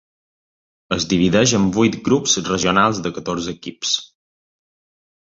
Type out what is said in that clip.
Es divideix en vuits grups regionals de catorze equips.